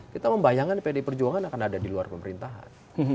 kita membayangkan pdi perjuangan akan ada di luar pemerintahan